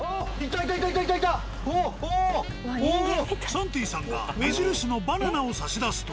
サンティさんが目印のバナナを差し出すと。